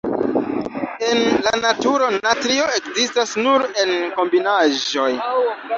En la naturo, natrio ekzistas nur en kombinaĵoj.